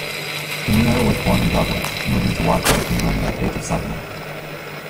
Kinnear was born in Dublin, moving to Watford, England at the age of seven.